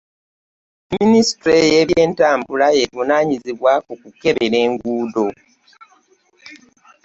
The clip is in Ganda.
Minisitule y'ebyentambula y'evunaanyizibwa ku kunkebera enguudo.